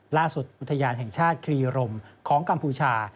อุทยานแห่งชาติครีรมของกัมพูชา